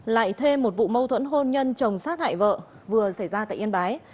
lại thêm một vụ mâu thuẫn hôn nhân chồng sát hại vợ vừa xảy ra tại yên bái